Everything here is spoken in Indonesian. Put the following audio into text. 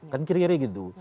kan kiri kiri gitu